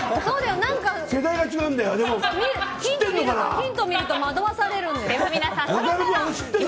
ヒントを見ると惑わされるんだよ。